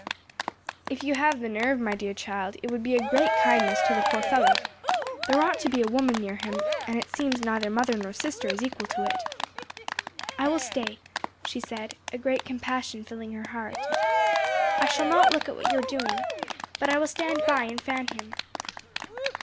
"If you have the nerve, my dear child; it would be a great kindness to the poor fellow. There ought to be a woman near him, and it seems neither mother nor sister is equal to it." "I will stay," she said, a great compassion filling her heart. "I shall not look at what you are doing; but I will stand by and fan him."